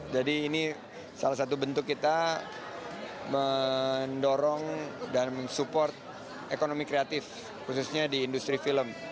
jadi ini salah satu bentuk kita mendorong dan mensupport ekonomi kreatif khususnya di industri film